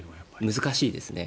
難しいですね。